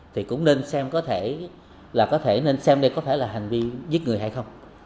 thì cũng nên xem có thể là có thể nên xem đây có thể là hành vi giết người hay không